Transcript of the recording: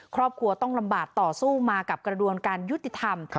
ครอบครัวต้องลำบากต่อสู้มากับกระบวนการยุติธรรม